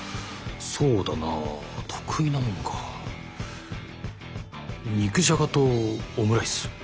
そうだなあ得意なもんか肉じゃがとオムライス